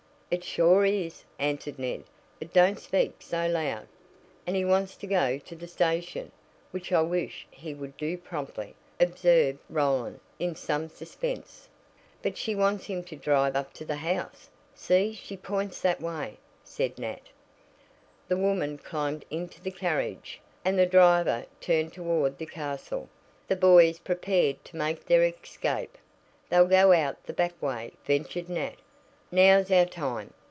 "It sure is," answered Ned; "but don't speak so loud." "And he wants to go to the station, which I wish he would do promptly," observed Roland, in some suspense. "But she wants him to drive up to the house. See, she points that way," said Nat. The woman climbed into the carriage, and the driver turned toward the castle. The boys prepared to make their escape. "They'll go out the back way," ventured Nat. "Now's our time!"